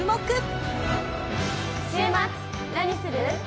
週末何する？